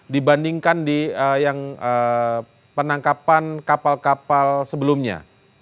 dibandingkan di yang penangkapan kapal kapal sebelumnya